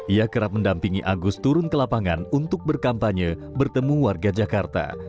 ia kerap mendampingi agus turun ke lapangan untuk berkampanye bertemu warga jakarta